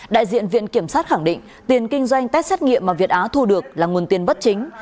đại diện viện kiểm sát khẳng định tiền kinh doanh test xét nghiệm mà việt á thu được là nguồn tiền bất chính